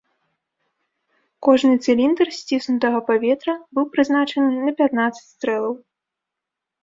Кожны цыліндр сціснутага паветра быў прызначаны на пятнаццаць стрэлаў.